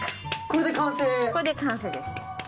これで完成です。